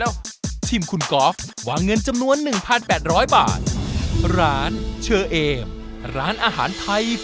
นี่ไงมันหลอกจริงด้วยเห็นไหม